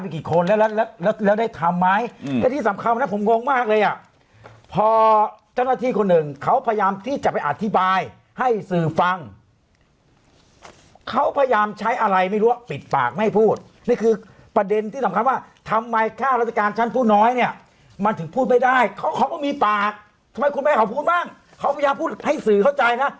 คือว่าแยกซองใครซองมันไปเลยคือปกติรวมมันในซองเดียวกัน